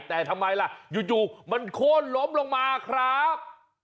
แต่ทำไมล่ะอยู่มันโค้นล้มลงมาครับ